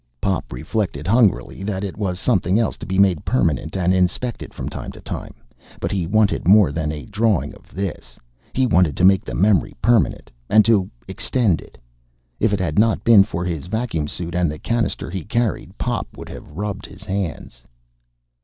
Pop reflected hungrily that it was something else to be made permanent and inspected from time to time. But he wanted more than a drawing of this! He wanted to make the memory permanent and to extend it If it had not been for his vacuum suit and the cannister he carried, Pop would have rubbed his hands.